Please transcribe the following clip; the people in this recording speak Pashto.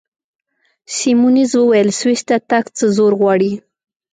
سیمونز وویل: سویس ته تګ څه زور غواړي؟